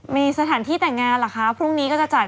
มีสถานที่แต่งงานหรอคะ